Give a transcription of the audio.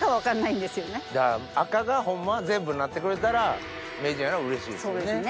だから赤がホンマは全部なってくれたら名人はうれしいですよね。